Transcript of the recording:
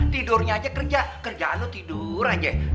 tidurnya aja kerja kerjaan lo tidur aja